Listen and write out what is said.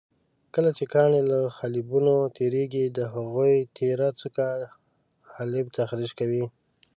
کله چې کاڼي له حالبینو تېرېږي د هغوی تېره څوکه حالب تخریش کوي.